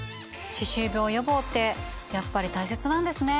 歯周病予防ってやっぱり大切なんですね。